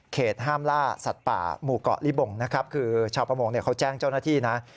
ห้ามล่าสัตว์ป่าหมู่เกาะลิบงนะครับคือชาวประมงเขาแจ้งเจ้าหน้าที่นะ